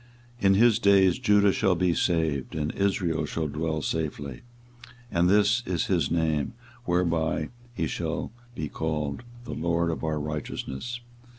24:023:006 In his days Judah shall be saved, and Israel shall dwell safely: and this is his name whereby he shall be called, THE LORD OUR RIGHTEOUSNESS.